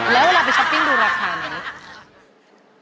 แล้วเวลาไปช้อปปิ้งดูราคาไหม